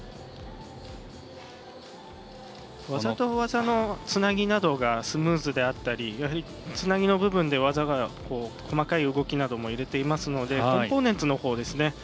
技と技のつなぎなどがスムーズであったりやはり、つなぎの部分で技が細かい動きなども入れていますのでコンポーネンツのほうですね